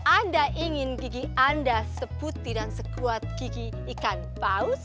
anda ingin gigi anda seputi dan sekuat gigi ikan paus